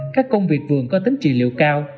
công việc vườn có tính trị liệu cao